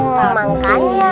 memang kan ya